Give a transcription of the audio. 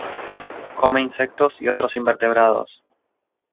Come insectos y otros invertebrados.